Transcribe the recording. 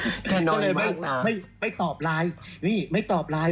เบอร์กตังค์ก่อนอีกเพราะเลยก็ไม่ตอบไลน์